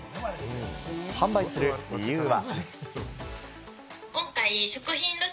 販売する理由は。